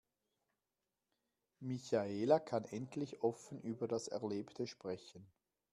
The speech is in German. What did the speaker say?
Michaela kann endlich offen über das Erlebte sprechen.